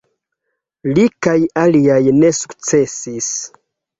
Li kaj aliaj ne sukcesis.